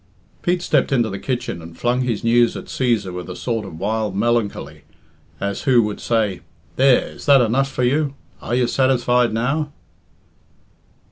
Pete stepped into the kitchen and flung his news at Cæsar with a sort of wild melancholy, as who would say, "There, is that enough for you? Are you satisfied now?"